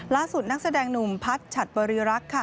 ล่าสุดนักแสดงหนุ่มพัดชัดบริรักษ์ค่ะ